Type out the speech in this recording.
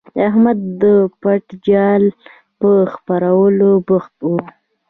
احمد د پټ جال په خپرولو بوخت وو.